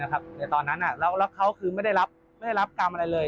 แต่ตอนนั้นแล้วเขาคือไม่ได้รับกรรมอะไรเลย